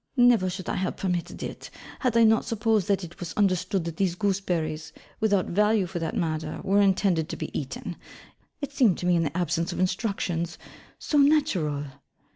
Never should I have permitted it, had I not supposed that it was understood that these gooseberries, without value for that matter, were intended to be eaten. It seemed to me, in the absence of instructions, so natural.'